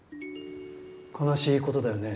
悲しいことだよね。